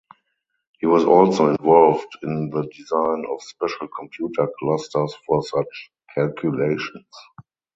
He was also involved in the design of special computer clusters for such calculations.